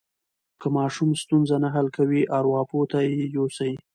که ماشوم ستونزه نه حل کوي، ارواپوه ته یې یوسئ.